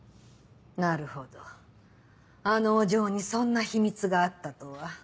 なるほどあのお嬢にそんな秘密があったとは。